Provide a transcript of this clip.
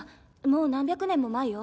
もう何百年も前よ